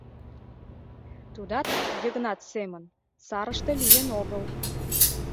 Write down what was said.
Тудат, Йыгнат семын, сарыште лийын огыл.